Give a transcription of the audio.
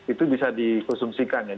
itu bisa dikonsumsikan